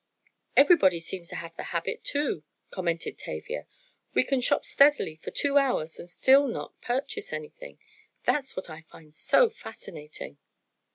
"Everybody seems to have the habit too," commented Tavia. "We can shop steadily for two hours, and still not purchase anything. That's what I find so fascinating!"